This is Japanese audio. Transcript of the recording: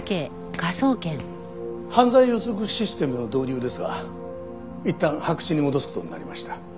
犯罪予測システムの導入ですがいったん白紙に戻す事になりました。